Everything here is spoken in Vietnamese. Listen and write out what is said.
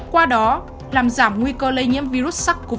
qua đó làm giảm nguy cơ lây nhiễm virus sars cov hai